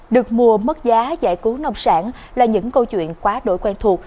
được mua mất giá giải cứu nông sản là những câu chuyện quá đổi quen thuộc